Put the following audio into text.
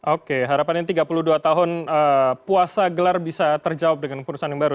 oke harapannya tiga puluh dua tahun puasa gelar bisa terjawab dengan perusahaan yang baru